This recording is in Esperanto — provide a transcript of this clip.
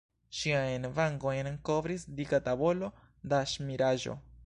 Ŝiajn vangojn kovris dika tabolo da ŝmiraĵo.